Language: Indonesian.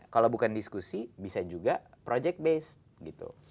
kalau bukan diskusi bisa juga project based gitu